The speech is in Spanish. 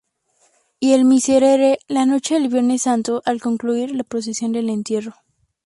Y el Miserere, la noche del Viernes Santo, al concluir la Procesión del Entierro.